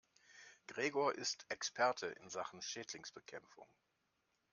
Gregor ist Experte in Sachen Schädlingsbekämpfung.